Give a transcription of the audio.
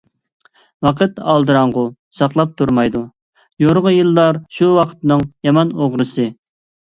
ۋاقىت ئالدىراڭغۇ ساقلاپ تۇرمايدۇ، يورغا يىللار شۇ ۋاقىتنىڭ يامان ئوغرىسى.